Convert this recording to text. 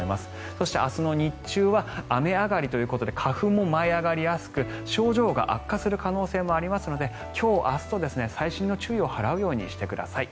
そして、明日の日中は雨上がりということで花粉も舞い上がりやすく症状が悪化する可能性もありますので今日、明日と細心の注意を払うようにしてください。